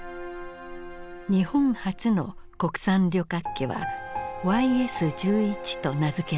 日本初の国産旅客機はＹＳ−１１と名付けられた。